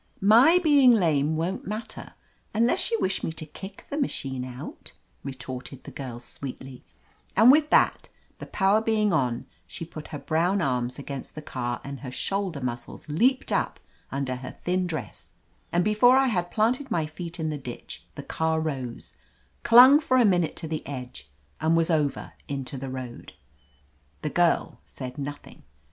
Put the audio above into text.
"My being lame won't matter, unless you wish me to kick the machine out," retorted the girl sweetly; and with that, the power being on, she put her brown arms against the car and her shoulder muscles leaped up under her thin dress, and before I had planted my feet in the ditch the car rose, clung for a minute to the edge, and was over into the road. The girl said nothing.